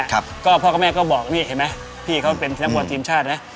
ครับก็พ่อกับแม่ก็บอกนี่เห็นไหมพี่เขาเป็นนักบอลทีมชาตินะ